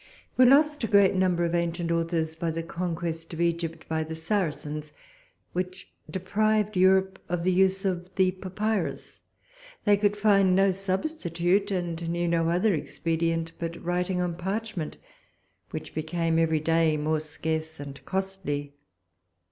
We lost a great number of ancient authors by the conquest of Egypt by the Saracens, which deprived Europe of the use of the papyrus. They could find no substitute, and knew no other expedient but writing on parchment, which became every day more scarce and costly.